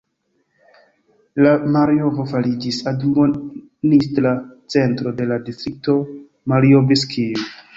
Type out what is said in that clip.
La Marjovo fariĝis admonistra centro de la distrikto Marjovskij.